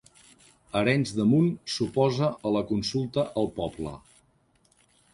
Arenys de Munt s'oposa a la consulta al poble